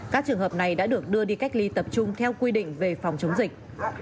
các trường hợp này đã được đưa đi cách ly tập trung theo quy định về phòng chống dịch